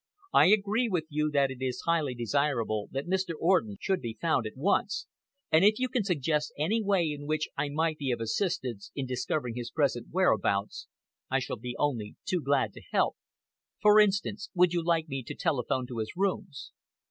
"I agree with you that it is highly desirable that Mr. Orden should be found at once, and if you can suggest any way in which I might be of assistance in discovering his present whereabouts, I shall be only too glad to help. For instance, would you like me to telephone to his rooms?"